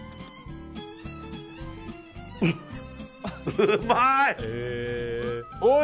うまい！